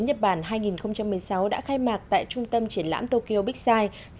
quốc tế nhật bản hai nghìn một mươi sáu đã khai mạc tại trung tâm triển lãm tokyo big side